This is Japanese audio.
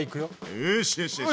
よしよしよし。